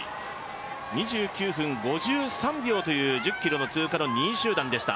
２９分５３秒という１０ｋｍ通過の２位集団でした。